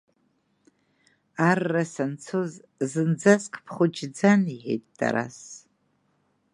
Арра санцоз зынӡаск бхәыҷӡан, – иҳәеит Тарас.